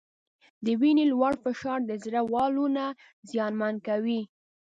د وینې لوړ فشار د زړه والونه زیانمن کوي.